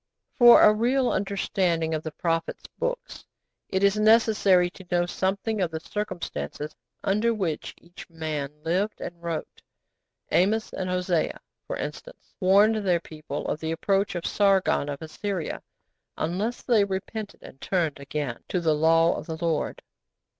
For a real understanding of the Prophets' Books it is necessary to know something of the circumstances under which each man lived and wrote. Amos and Hosea, for instance, warned their people of the approach of Sargon of Assyria unless they repented and turned again to the law of the Lord.